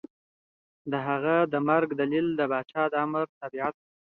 د هغه د مرګ دلیل د پاچا د امر تابعیت و.